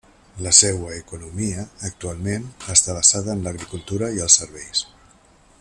La seua economia, actualment, està basada en l'agricultura i els serveis.